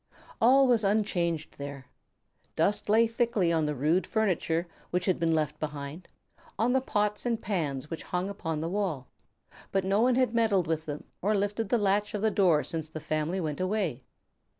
All was unchanged there. Dust lay thickly on the rude furniture which had been left behind, on the pots and pans which hung upon the wall, but no one had meddled with them or lifted the latch of the door since the family went away.